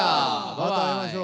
また会いましょう。